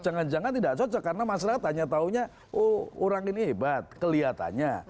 jangan jangan tidak cocok karena masyarakat hanya tahunya oh orang ini hebat kelihatannya